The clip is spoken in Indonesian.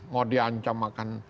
mau diancam akan